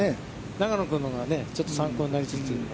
永野君のほうが参考になりつつ。